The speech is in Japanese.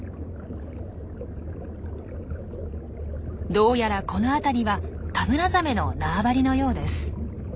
どうやらこの辺りはカグラザメの縄張りのようです。